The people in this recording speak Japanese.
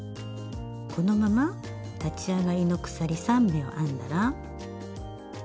このまま立ち上がりの鎖３目を編んだら。